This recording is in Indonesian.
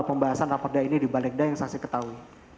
pembahasan raporda ini di balegda yang saksi ketahui